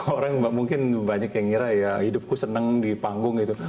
orang mungkin banyak yang ngira ya hidupku seneng di panggung gitu